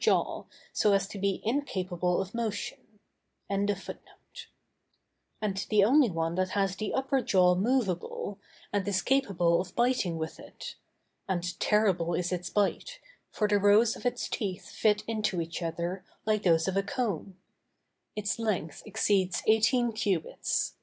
This is the only land animal that does not enjoy the use of its tongue, and the only one that has the upper jaw movable, and is capable of biting with it; and terrible is its bite, for the rows of its teeth fit into each other, like those of a comb. Its length exceeds eighteen cubits.